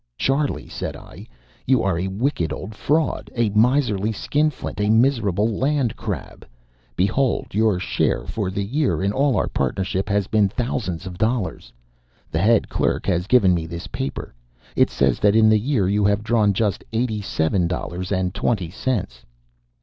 "Charley," said I, "you are a wicked old fraud, a miserly skinflint, a miserable land crab. Behold, your share for the year in all our partnership has been thousands of dollars. The head clerk has given me this paper. It says that in the year you have drawn just eighty seven dollars and twenty cents."